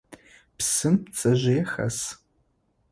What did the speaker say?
Псым пцэжъые хэс.